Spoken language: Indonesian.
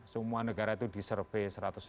semua negara itu disurvei satu ratus enam puluh empat